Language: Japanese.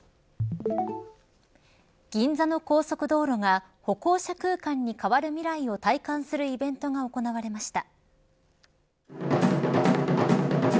銀座の高速道路が歩行者空間に変わる未来を体感するイベントが行われました。